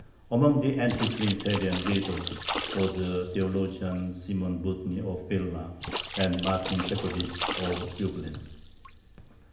Among the Anti Trinitarian leaders were the theologian Simon Budny, of Vilna, and Martin Chekhovich, of Lublin.